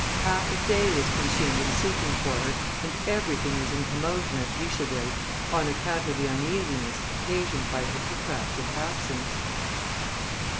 Half a day was consumed in seeking for her, and everything was in commotion at Guicheville, on account of the uneasiness occasioned by her protracted absence.